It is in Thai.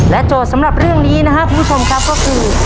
โจทย์สำหรับเรื่องนี้นะครับคุณผู้ชมครับก็คือ